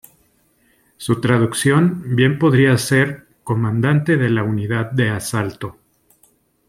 Su traducción bien podría ser "comandante de la unidad de asalto".